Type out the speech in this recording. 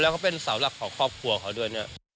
พอแล้วเขาเป็นสาวหลักของครอบครัวเขาด้วย